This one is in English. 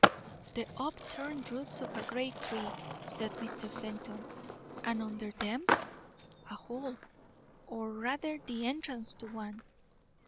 "The upturned roots of a great tree," said Mr. Fenton. "And under them?" "A hole, or, rather, the entrance to one."